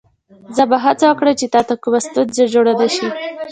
زه به هڅه وکړم چې تا ته کومه ستونزه جوړه نه شي.